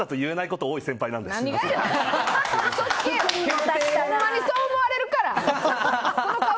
ほんまにそう思われるから！